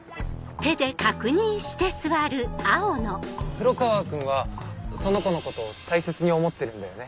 黒川君はその子のこと大切に思ってるんだよね？